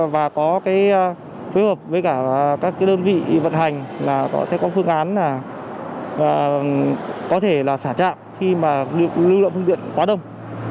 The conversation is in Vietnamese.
và có phối hợp với các đơn vị vận hành sẽ có phương án có thể xả trạm khi lưu lượng phương tiện quá đông